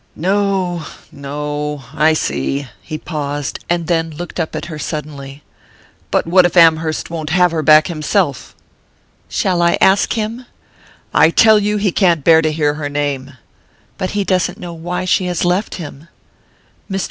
"No no I see." He paused, and then looked up at her suddenly. "But what if Amherst won't have her back himself?" "Shall I ask him?" "I tell you he can't bear to hear her name!" "But he doesn't know why she has left him." Mr.